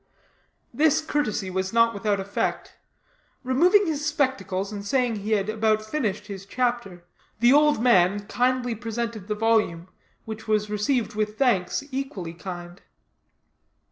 This courtesy was not without effect. Removing his spectacles, and saying he had about finished his chapter, the old man kindly presented the volume, which was received with thanks equally kind.